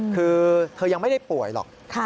คือเธอยังไม่ได้ป่วยหรอก